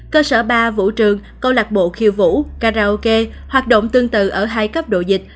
cơ sở ba vũ trường câu lạc bộ khiêu vũ karaoke hoạt động tương tự ở hai cấp độ dịch